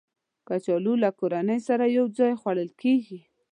کچالو له کورنۍ سره یو ځای خوړل کېږي